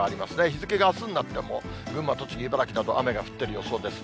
日付があすになっても、群馬、栃木、茨城など、雨が降ってる予想です。